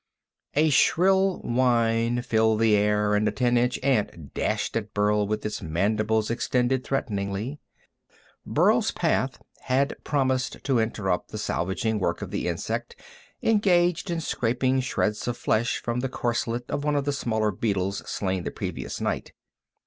A shrill whine filled the air, and a ten inch ant dashed at Burl with its mandibles extended threateningly. Burl's path had promised to interrupt the salvaging work of the insect, engaged in scraping shreds of flesh from the corselet of one of the smaller beetles slain the previous night.